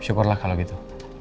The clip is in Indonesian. syukurlah kalau gitu